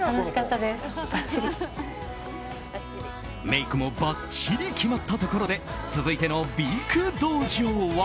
メイクもばっちり決まったところで続いての美育道場は。